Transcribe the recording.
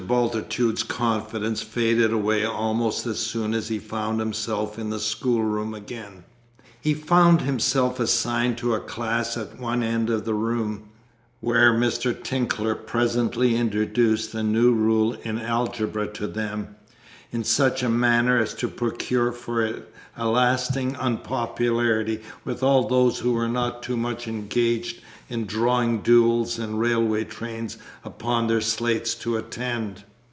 Bultitude's confidence faded away almost as soon as he found himself in the schoolroom again. He found himself assigned to a class at one end of the room, where Mr. Tinkler presently introduced a new rule in Algebra to them, in such a manner as to procure for it a lasting unpopularity with all those who were not too much engaged in drawing duels and railway trains upon their slates to attend.